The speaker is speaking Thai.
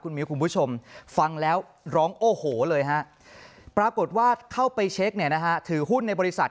มิ้วคุณผู้ชมฟังแล้วร้องโอ้โหเลยฮะปรากฏว่าเข้าไปเช็คเนี่ยนะฮะถือหุ้นในบริษัท